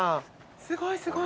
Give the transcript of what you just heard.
すごいすごい。